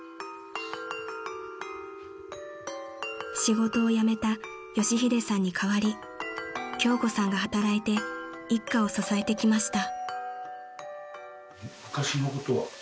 ［仕事を辞めた佳秀さんに代わり京子さんが働いて一家を支えてきました］